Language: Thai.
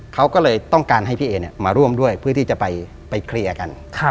เขาก็เลยต้องการให้พี่เอมาร่วมด้วยเพื่อที่จะไปเคลียร์กัน